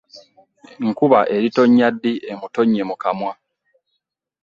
Nkuba eritonnya ddi emutonya mu kamwa .